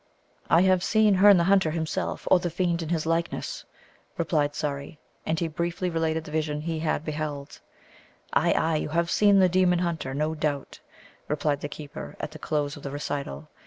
"I have seen Herne the Hunter himself, or the fiend in his likeness," replied Surrey. And he briefly related the vision he had beheld. "Ay, ay, you have seen the demon hunter, no doubt," replied the keeper at the close of the recital.